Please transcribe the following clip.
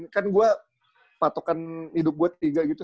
kan gue patokan hidup gue tiga gitu